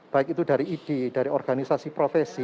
baik itu dari idi dari organisasi profesi